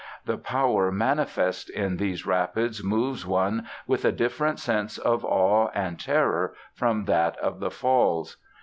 The power manifest in these rapids moves one with a different sense of awe and terror from that of the Falls.